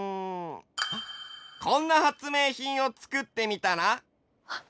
こんな発明品をつくってみたら？